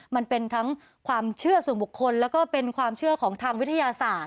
มันเป็นทั้งความเชื่อส่วนบุคคลแล้วก็เป็นความเชื่อของทางวิทยาศาสตร์